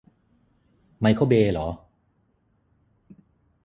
ไมเคิล เบย์เหรอ